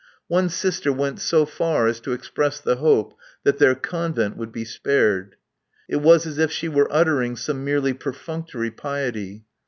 One sister went so far as to express the hope that their Convent would be spared. It was as if she were uttering some merely perfunctory piety.